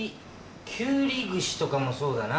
きゅうり串とかもそうだな。